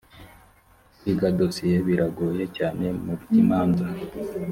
kwiga dosiye biragoye cyane mubyimanza